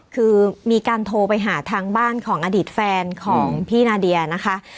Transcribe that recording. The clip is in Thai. คือมีการโทรไปหาทางบ้านของอดีตแฟนของพี่นาเดียนะคะ